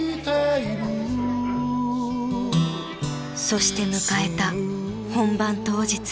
［そして迎えた本番当日］